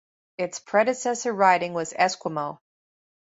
Its predecessor riding was Esquimalt.